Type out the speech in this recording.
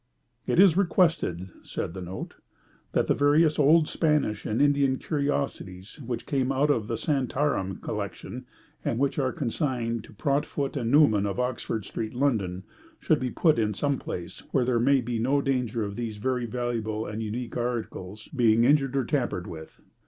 It is requested (said the note) that the various old Spanish and Indian curiosities, which came out of the Santarem collection, and which are consigned to Prontfoot & Neuman of Oxford Street, London, should be put in some place where there may be no danger of these very valuable and unique articles being injured or tampered with.